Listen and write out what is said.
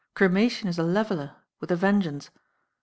Cremation is a leveller, with a vengeance.